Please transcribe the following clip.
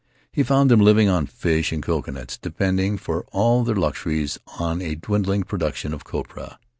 He found them living on fish and coconuts, depending for all their luxuries on a dwindling production of copra.